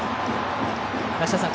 梨田さん